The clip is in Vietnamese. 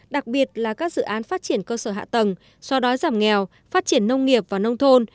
đặc biệt là các dự án phát triển cơ sở hạ tầng xoa đói giảm nghèo phát triển nông nghiệp và nông thôn